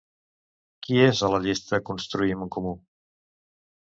Qui és a la llista Construïm en Comú?